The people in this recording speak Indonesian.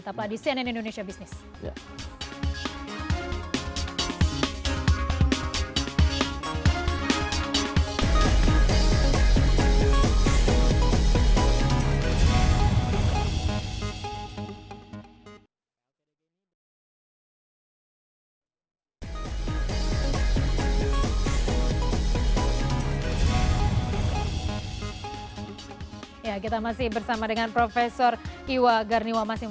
tapan di cnn indonesia business